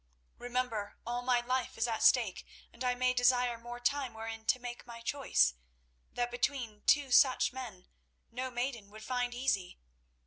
Remember, all my life is at stake, and I may desire more time wherein to make my choice, that between two such men no maiden would find easy.